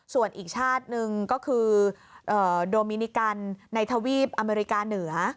ส่วนอีกชาติหนึ่งก็คือโดมินิกันในทวีปอเมริกาเหนือ